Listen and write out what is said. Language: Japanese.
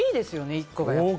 １個が。